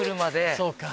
そうか。